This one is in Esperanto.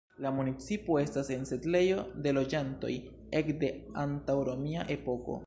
La municipo estas en setlejo de loĝantoj ekde antaŭromia epoko.